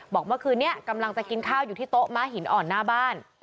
บอกว่าคืนนี้กำลังจะกินค่าวิมาหินอ่อนหน้าบ้าน